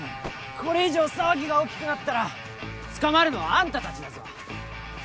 これ以上騒ぎが大きくなったら捕まるのはあんたたちだぞ。